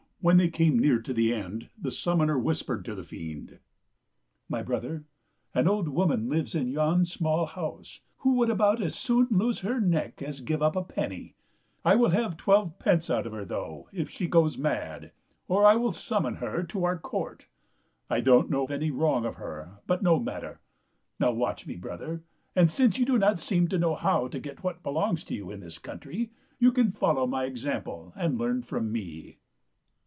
When they came near to the end, the summoner whispered to the fiend, " My brother, an old woman lives in yon small house who would about as soon lose her neck as give up a penny. I will have twelve pence out of her, though, if she goes mad, or I will summon her to our court. I don't know any wrong of her, but no matter. Now watch me, brother ; and since you do not seem to t^^ 5nar'5 tak 133 know how to get what belongs to you in this coun try, you can follow my example and learn from me."